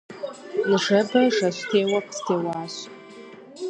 Ныжэбэ жэщтеуэ къыстеуащ.